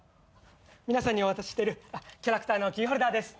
皆さんにお渡ししてるキャラクターのキーホルダーです。